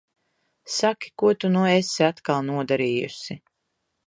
Saki, ko tu nu esi atkal nodarījusi?